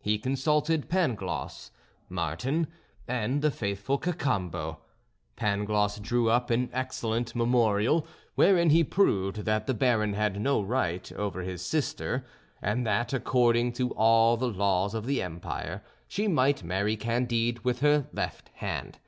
He consulted Pangloss, Martin, and the faithful Cacambo. Pangloss drew up an excellent memorial, wherein he proved that the Baron had no right over his sister, and that according to all the laws of the empire, she might marry Candide with her left hand.